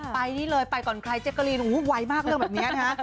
ไปนี่เลยไปก่อนใครเจ๊กกะลีนไวมากเรื่องแบบนี้นะฮะ